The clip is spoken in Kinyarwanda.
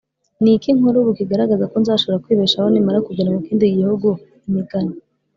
Ni iki nkora ubu kigaragaza ko nzashobora kwibeshaho nimara kugera mu kindi gihugu imigani